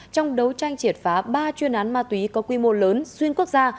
trong đấu tranh triệt phá ba chuyên án ma túy có quy mô lớn xuyên quốc gia